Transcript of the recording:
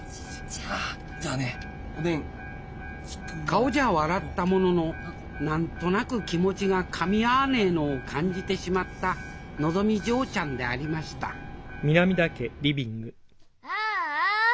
顔じゃ笑ったものの何となく気持ちがかみ合わねえのを感じてしまったのぞみ嬢ちゃんでありましたああ！